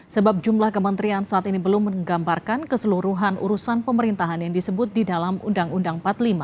sebab jumlah kementerian saat ini belum menggambarkan keseluruhan urusan pemerintahan yang disebut di dalam undang undang empat puluh lima